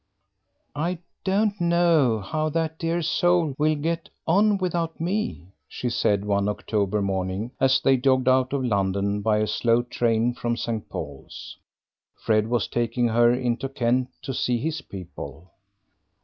"I don't know how that dear soul will get on without me," she said one October morning as they jogged out of London by a slow train from St. Paul's. Fred was taking her into Kent to see his people.